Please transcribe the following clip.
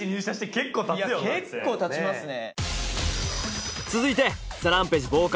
結構経ちますね。